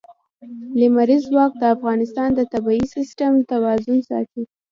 لمریز ځواک د افغانستان د طبعي سیسټم توازن ساتي.